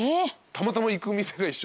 たまたま行く店が一緒で。